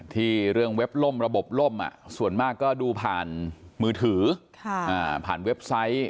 เรื่องเว็บล่มระบบล่มส่วนมากก็ดูผ่านมือถือผ่านเว็บไซต์